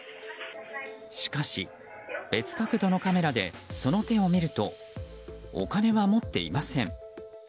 しかし、別角度のカメラでその手を見るとお金は持っていません。